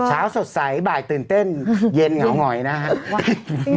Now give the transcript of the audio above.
เช้าสดใสบ่ายตื่นเต้นเย็นเหงาหงอยนะครับ